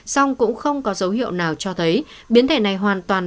song cũng không có dấu hiệu nào cho thấy biến thể này hoàn toàn